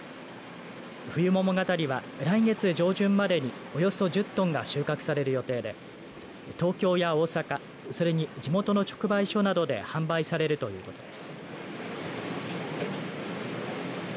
冬桃がたりは、来月上旬までにおよそ１０トンが収穫される予定で東京や大阪、それに地元の直売所などで販売されるということです。